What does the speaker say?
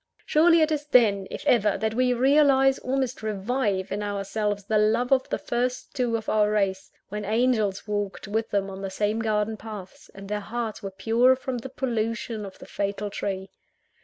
Surely it is then if ever that we realize, almost revive, in ourselves, the love of the first two of our race, when angels walked with them on the same garden paths, and their hearts were pure from the pollution of the fatal tree!